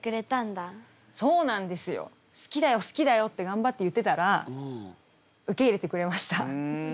「好きだよ好きだよ」って頑張って言ってたら受け入れてくれました。